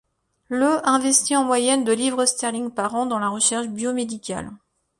Le investit en moyenne de livres sterling par an dans la recherche biomédicale.